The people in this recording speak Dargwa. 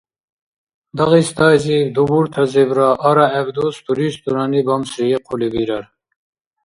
Дагъистайзиб дубуртазибра арагӀеб дус туристунани бамсриихъули бирар